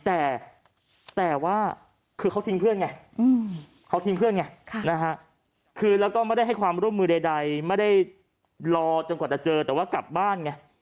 แต่ว่าคือเขาทิ้งเพื่อนไงคือแล้วก็ไม่ได้ให้ความร่วมมือใดไม่ได้รอจนกว่าจะเจอแต่ว่ากลับบ้านไง